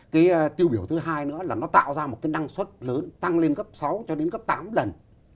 cái tiêu biểu thứ hai nữa là nó tạo ra một cái năng suất lớn tăng lên cấp sáu cho đến cấp tám lần